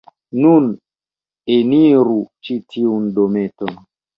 Nun, eniru ĉi tiun dometon...